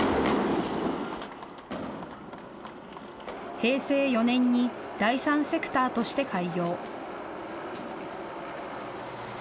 平成４年に第三セクターとして開業。